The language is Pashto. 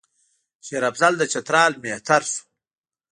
شېر افضل د چترال مهتر شو.